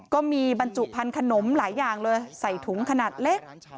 บรรจุพันธุ์ขนมหลายอย่างเลยใส่ถุงขนาดเล็ก